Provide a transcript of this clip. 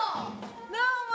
どうも。